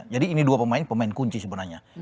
jadi ini dua pemain pemain kunci sebenarnya